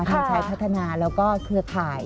ทางชายพัฒนาแล้วก็เครือข่าย